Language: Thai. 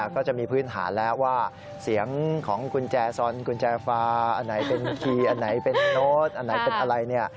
ก็จะมีพื้นฐานแล้วว่าเสียงของกุญแจซอนกุญแจฟาอันไหนเป็นคีย์อันไหนเป็นโน้ตอันไหนเป็นอะไรเนี่ย